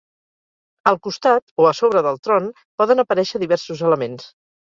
Al costat o a sobre del tron poden aparèixer diversos elements.